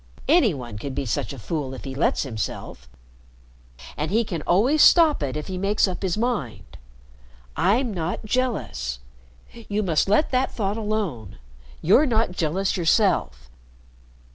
Any one can be such a fool if he lets himself. And he can always stop it if he makes up his mind. I'm not jealous. You must let that thought alone. You're not jealous yourself.